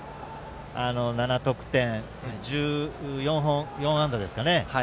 ７得点１４安打ですかね。